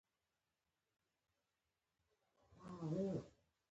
زه د خندا ارزښت پېژنم.